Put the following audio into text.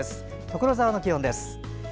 所沢の気温です。